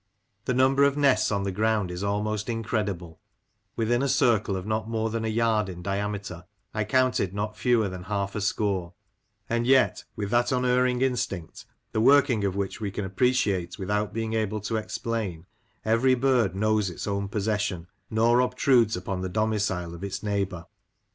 The number of nests on the ground is almost incredible ; within a circle of not more than a yard in diameter I counted not fewer than half a score; and yet, with that unerring instinct, the working of which we can appreciate without being able to explain, every bird knows its own possession, nor obtrudes upon the domicile of its neighbour.